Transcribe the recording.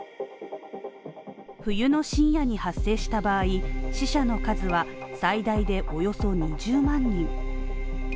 冬の深夜に発生した場合、死者の数は最大でおよそ２０万人。